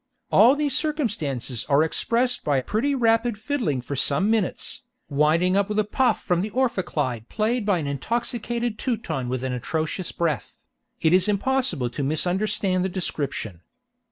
(All these circumstances are expressed by pretty rapid fiddling for some minutes, winding up with a puff from the orpheclide played by an intoxicated Teuton with an atrocious breath it is impossible to misunderstand the description.)